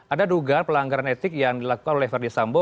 ada duga pelanggaran etik yang dilakukan oleh ferdis sambo